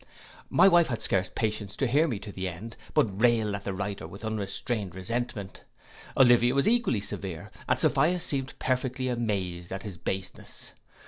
My wife had scarce patience to hear me to the end, but railed at the writer with unrestrained resentment. Olivia was equally severe, and Sophia seemed perfectly amazed at his baseness.